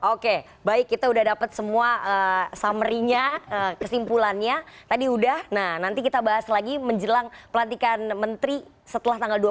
oke baik kita udah dapat semua summary nya kesimpulannya tadi udah nah nanti kita bahas lagi menjelang pelantikan menteri setelah tanggal dua puluh